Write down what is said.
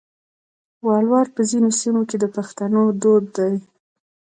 ولور په ځینو سیمو کې د پښتنو دود دی.